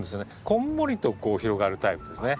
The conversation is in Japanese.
こんもりとこう広がるタイプですね。